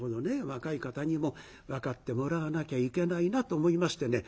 若い方にも分かってもらわなきゃいけないなと思いましてね